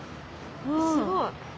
すごい。